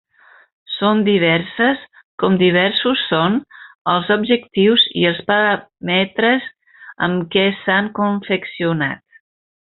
Són diverses com diversos són els objectius i els paràmetres amb què s'han confeccionat.